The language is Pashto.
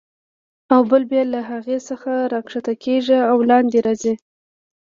او بل بیا له هغې څخه راکښته کېږي او لاندې راځي.